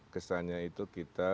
kesannya itu kita